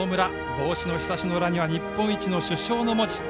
帽子のひさしの裏には日本一の主将の文字。